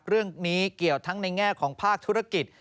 เรื่องนี้เกี่ยวทั้งในแง่ของภาคธุรกิจ